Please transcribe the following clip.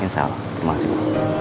insya allah terima kasih ibu